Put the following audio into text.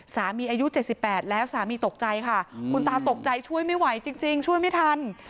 อายุ๗๘แล้วสามีตกใจค่ะคุณตาตกใจช่วยไม่ไหวจริงช่วยไม่ทัน